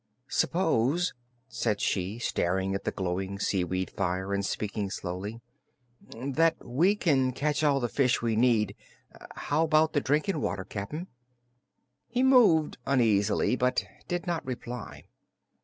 "S'pose," said she, staring at the glowing seaweed fire and speaking slowly, "that we can catch all the fish we need; how 'bout the drinking water, Cap'n?" He moved uneasily but did not reply.